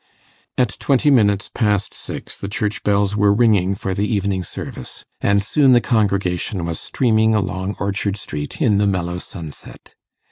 At twenty minutes past six the church bells were ringing for the evening service, and soon the congregation was streaming along Orchard Street in the mellow sunset.